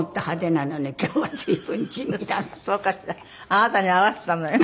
あなたに合わせたのよ。